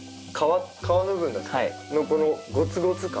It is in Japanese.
皮部分のこのゴツゴツ感。